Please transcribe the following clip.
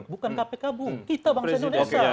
bukan kpk bu kita bangsa indonesia